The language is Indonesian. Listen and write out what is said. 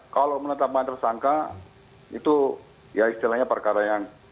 kalau menetapkan tersangka itu ya istilahnya perkara yang